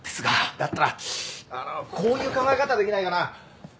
だったらあのこういう考え方できないかな？